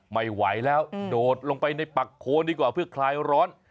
ไม่ไหวแล้วโดดลงไปในปักโคนดีกว่าเพื่อคลายร้อน